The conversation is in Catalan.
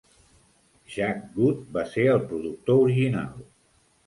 Jack Good va ser el productor original.